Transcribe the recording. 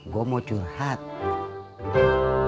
gue mau cuman hati